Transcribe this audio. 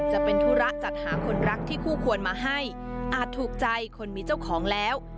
จะเป็นธุระจัดหาคนรักที่คู่ควรมาให้อาจถูกใจคนมีเจ้าของแล้ว